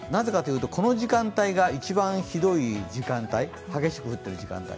なぜかというと、この時間帯が一番ひどい時間帯、激しく降っている時間帯。